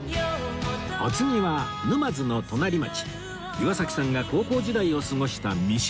お次は沼津の隣町岩崎さんが高校時代を過ごした三島へ